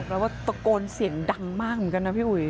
เพราะว่าตะโกนเสียงดังมากเหมือนกันนะพี่อุ๋ย